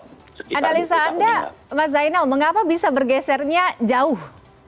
anak anak anda mas zainal mengapa bisa bergesernya jauh